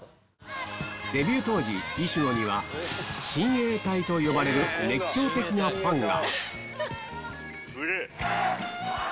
デビュー当時石野には親衛隊と呼ばれる熱狂的なファンが